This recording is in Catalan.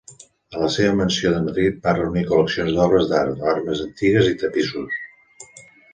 A la seva mansió de Madrid va reunir col·leccions d'obres d'art, armes antigues i tapissos.